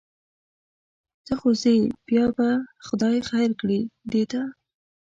ته خو ځې بیا به خدای خیر کړي دې ته.